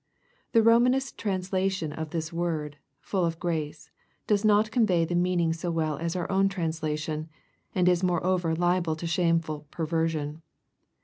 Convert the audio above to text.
] The Romanist translation of this word, " full of grace,'* does not convey the meaning so well as our own translation, and is moreover liable to shameful perversion.